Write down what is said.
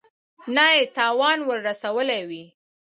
نه یې تاوان ورته رسولی وي.